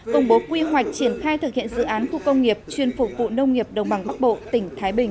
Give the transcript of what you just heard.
công bố quy hoạch triển khai thực hiện dự án khu công nghiệp chuyên phục vụ nông nghiệp đồng bằng bắc bộ tỉnh thái bình